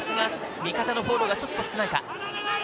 味方のフォローがちょっと少ないか。